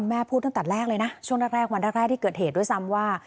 แม่พูดตั้งแต่แรกเลยนะช่วงแรกวันแรกที่เกิดเหตุด้วยซ้ำว่า